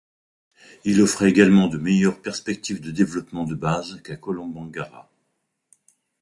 Il offrait également de meilleures perspectives de développement de base qu'à Kolombangara.